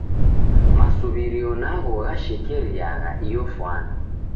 Masuw'irio nagho ghashekeriagha iyo fwana.